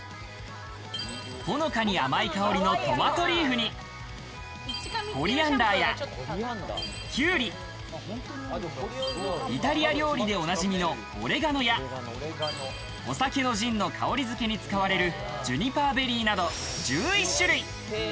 ほのかに甘い香りのトマトリーフに、コリアンダーやきゅうり、イタリア料理でお馴染みのオレガノやお酒のジンの香りづけに使われるジュニパーベリーなど１１種類。